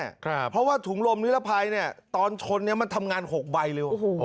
เพราะว่าถุงลมนิรภัยเนี่ยตอนชนเนี้ยมันทำงานหกใบเลยโอ้โห